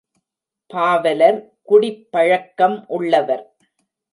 பாவலர் குடிப்பழக்கம் உள்ளவர்.